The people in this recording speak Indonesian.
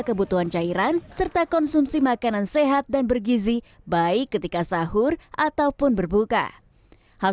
kebutuhan cairan serta konsumsi makanan sehat dan bergizi baik ketika sahur ataupun berbuka hal